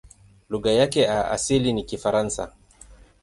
Lugha yake ya asili ni Kifaransa.